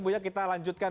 buya kita lanjutkan